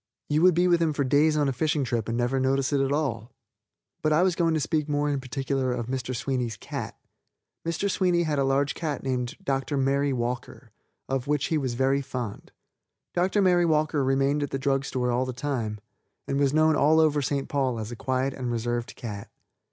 You would be with him for days on a fishing trip and never notice it at all. But I was going to speak more in particular of Mi. Sweeney's cat. Mr. Sweeney had a large cat named Dr. Mary Walker, of which he was very fond. Dr. Mary Walker remained at the drug store all the time, and was known all over St. Paul as a quiet and reserved cat.